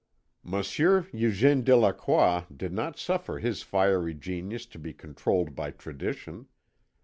Monsieur Eugène Delacroix did not suffer his fiery genius to be controlled by tradition.